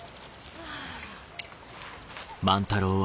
はあ。